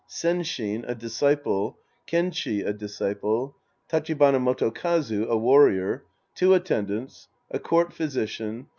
Senshin, a disciple. Kenchi, a disciple. Tachibana Motokazu, a warrior. Two Attendants. A Court Physician.